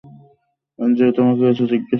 আঞ্জলি তোমাকে কিছু জিজ্ঞাসা করতে পারি?